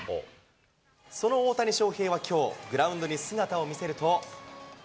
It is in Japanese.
その大谷翔平はきょう、グラウンドに姿を見せると。